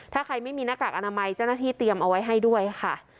ถ้าใครไม่มีหน้ากากอนามัยเจ้าหน้าที่เตรียมเอาไว้ให้ด้วยค่ะ